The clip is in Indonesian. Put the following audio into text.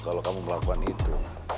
kalau kamu melakukan itu